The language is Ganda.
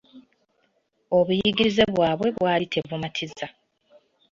Obuyigirize bwabwe bwaali tebumatiza.